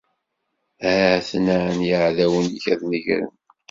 Ha-ten-an yiɛdawen-ik ad negren.